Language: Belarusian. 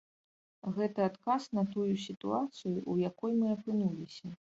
Гэта адказ на тую сітуацыю, у якой мы апынуліся.